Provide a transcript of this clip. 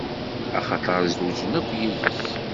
Axaṭer zewǧen akk yid-s.